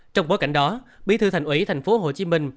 trong bối cảnh đó bí thư thành ủy thành phố hồ chí minh